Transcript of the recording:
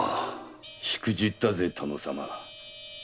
しくじったぜ殿様。